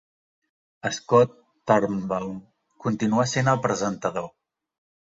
Scott Turnbull continua sent el presentador.